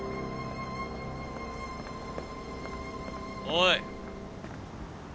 おい。